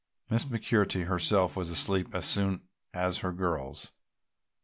Miss McMurtry herself was asleep as soon as her girls.